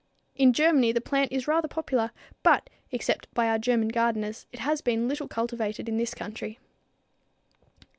In Germany the plant is rather popular, but, except by our German gardeners, it has been little cultivated in this country.